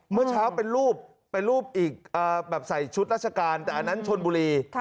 เมื่อเช้าเป็นรูปเป็นรูปอีกแบบใส่ชุดราชการแต่อันนั้นชนบุรี